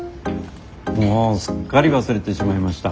もうすっかり忘れてしまいました。